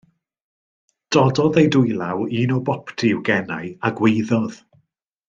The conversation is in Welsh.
Dododd ei dwylaw un o boptu i'w genau a gwaeddodd.